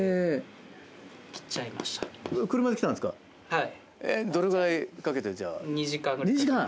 はい。